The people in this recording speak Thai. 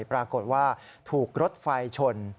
ปรากฏว่าถูกรถไฟชน